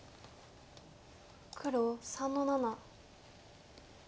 黒３の七。